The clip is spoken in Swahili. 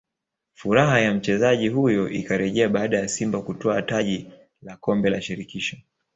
furaha ya mchezaji huyo ikarejea baada ya Simba kutwaa taji la Kombela Shirikisho